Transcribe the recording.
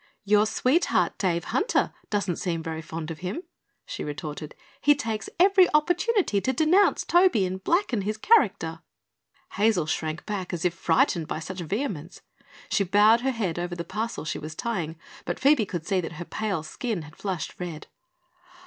"Your sweetheart, Dave Hunter, doesn't seem very fond of him," she retorted. "He takes every opportunity to denounce Toby and blacken his character." Hazel shrank back as if frightened by such vehemence. She bowed her head over the parcel she was tying, but Phoebe could see that her pale skin had flushed red.